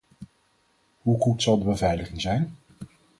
Hoe goed zal de beveiliging zijn?